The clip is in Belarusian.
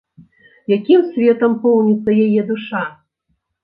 Якім светам поўніцца яе душа?